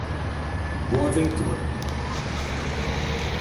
Boa Ventura